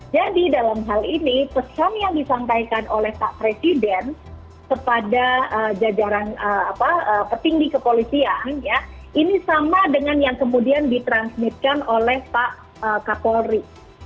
jadi dalam hal ini pesan yang disampaikan oleh pak presiden kepada jajaran petinggi kepolisian ini sama dengan yang kemudian ditransmitkan oleh pak kapolri